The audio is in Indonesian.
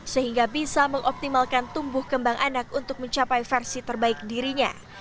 sehingga bisa mengoptimalkan tumbuh kembang anak untuk mencapai versi terbaik dirinya